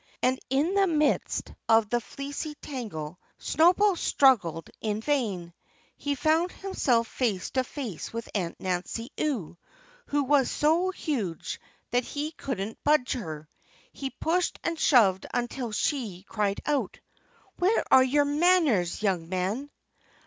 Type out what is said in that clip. And in the midst of the fleecy tangle Snowball struggled in vain. He found himself face to face with Aunt Nancy Ewe, who was so huge that he couldn't budge her. He pushed and shoved until she cried out, "Where are your manners, young man?"